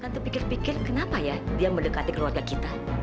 terpikir pikir kenapa ya dia mendekati keluarga kita